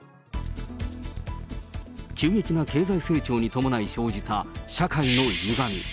急激な経済成長に伴い生じた社会のゆがみ。